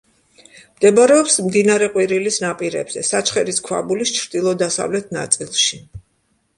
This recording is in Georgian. მდებარეობს მდინარე ყვირილის ნაპირებზე, საჩხერის ქვაბულის ჩრდილო-დასავლეთ ნაწილში.